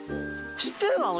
知ってるの？